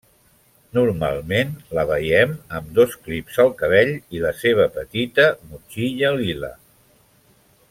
Normalment la veiem amb dos clips al cabell i la seva petita motxilla lila.